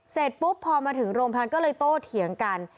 เสร็จปุ๊บพอมาถึงโรงพยาบาลก็เลยโต้เถียงกัน